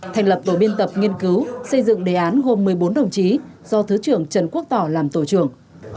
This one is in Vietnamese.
thành lập tổ biên tập nghiên cứu xây dựng đề án gồm một mươi bốn đồng chí do thứ trưởng trần quốc tỏ làm tổ trưởng